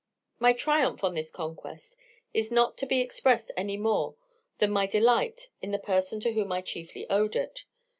My triumph on this conquest is not to be expressed any more than my delight in the person to whom I chiefly owed it.